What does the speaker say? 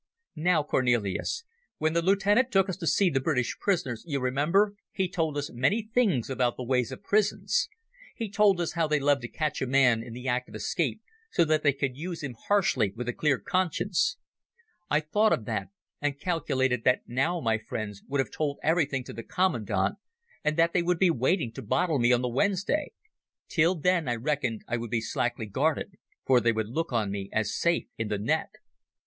"Now, Cornelis, when the lieutenant took us to see the British prisoners, you remember, he told us many things about the ways of prisons. He told us how they loved to catch a man in the act of escape, so that they could use him harshly with a clear conscience. I thought of that, and calculated that now my friends would have told everything to the commandant, and that they would be waiting to bottle me on the Wednesday. Till then I reckoned I would be slackly guarded, for they would look on me as safe in the net ...